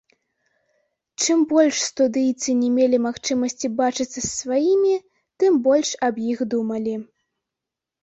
Чым больш студыйцы не мелі магчымасці бачыцца з сваімі, тым больш аб іх думалі.